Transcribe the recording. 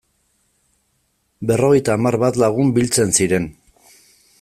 Berrogeita hamar bat lagun biltzen ziren.